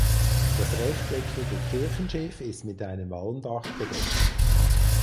Das rechteckige Kirchenschiff ist mit einem Walmdach bedeckt.